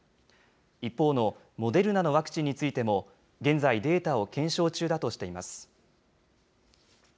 一方のモデルナのワクチンについても、現在、データを検証中だとしています。